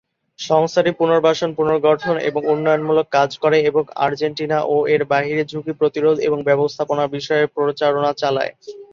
সংস্থাটি পুনর্বাসন, পুনর্গঠন এবং উন্নয়নমূলক কাজ করে এবং আর্জেন্টিনা ও এর বাইরে ঝুঁকি প্রতিরোধ এবং ব্যবস্থাপনা বিষয়ে প্রচারণা চালায়।